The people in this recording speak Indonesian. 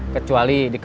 kecuali di kemudiannya